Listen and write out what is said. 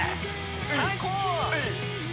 最高！